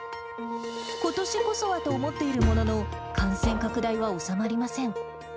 ことしこそはと思っているものの、感染拡大は収まりません。